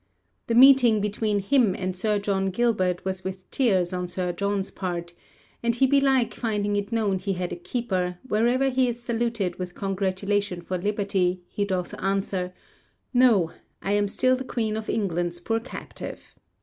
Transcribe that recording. The meeting between him and Sir John Gilbert was with tears on Sir John's part; and he belike finding it known he had a keeper, wherever he is saluted with congratulation for liberty, he doth answer, "No, I am still the Queen of England's poor captive."